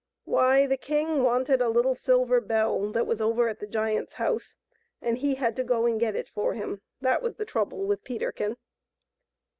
Why, the king wanted a little silver bell that was over at the giant's house, and he had to go and get it for him ; that was the trouble with Peterkin.